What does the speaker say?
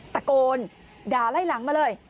ตะโกนด่าไล่หลังมาเลย